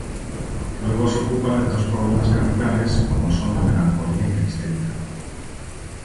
Luego se ocupa de dos problemas capitales como son la melancolía y la histeria.